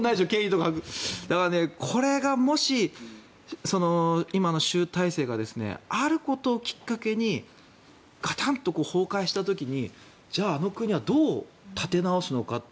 だからこれがもし、今の習体制があることをきっかけにガタンと崩壊した時に、じゃああの国はどう立て直すのか。